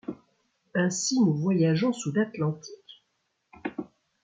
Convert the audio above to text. Ainsi, nous voyageons sous l’Atlantique ?